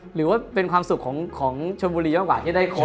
หรือว่าเป็นความสุขของชนบุรีมากกว่าที่ได้ครบ